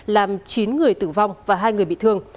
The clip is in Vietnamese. làm chín người tử vong và hai người bị thương